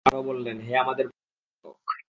তারা আরো বললেন, হে আমাদের প্রতিপালক!